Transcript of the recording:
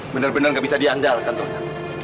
bener bener gak bisa diandalkan tuh